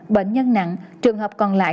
bệnh nhân nặng trường hợp còn lại